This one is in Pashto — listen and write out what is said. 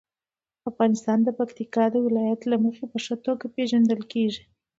افغانستان د پکتیکا د ولایت له مخې په ښه توګه پېژندل کېږي.